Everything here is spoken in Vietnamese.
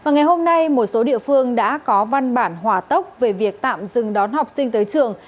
ngày hôm nay một số địa phương đã có văn bản hỏa tốc về việc tạm dừng đón học sinh tới trường